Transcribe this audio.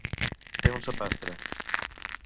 Ser un sapastre.